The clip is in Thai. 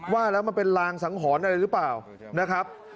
ว่าแล้วมันเป็นลางสังหรณ์อะไรหรือเปล่านะครับ